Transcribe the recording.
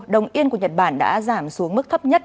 đồng yên của nhật bản đã giảm xuống mức thấp nhất